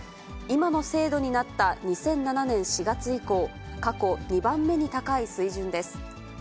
今の制度になった２００７年４月以降、過去２番目に高い水準です。